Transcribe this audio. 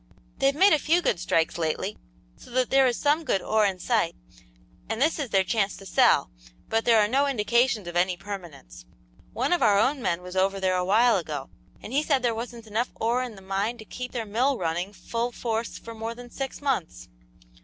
They've made a few good strikes lately, so that there is some good ore in sight, and this is their chance to sell, but there are no indications of any permanence. One of our own men was over there a while ago, and he said there wasn't enough ore in the mine to keep their mill running full force for more than six months."